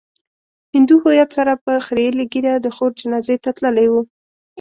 هندو هويت سره په خريلې ږيره د خور جنازې ته تللی و.